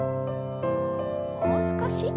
もう少し。